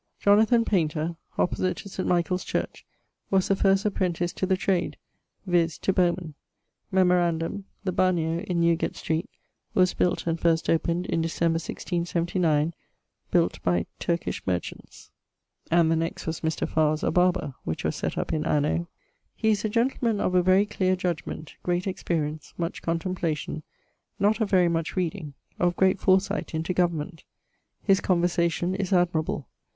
Jonathan Paynter, opposite to St. Michael's Church, was the first apprentice to the trade, viz. to Bowman. Memorandum: the Bagneo, in Newgate Street, was built and first opened in Decemb. 1679: built by ... (Turkish merchants). [XXIII.] And the next was Mr. Farr's a barber, which was set up in anno.... He is a gentleman of a very clear judgement, great experience, much contemplation, not of very much reading, of great foresight into government. His conversation is admirable.